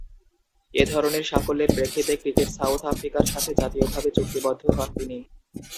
এধরনের সাফল্যের প্রেক্ষিতে ক্রিকেট সাউথ আফ্রিকার সাথে জাতীয়ভাবে চুক্তিবদ্ধ হন তিনি।